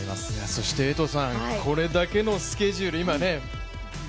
そしてこれだけのスケジュール。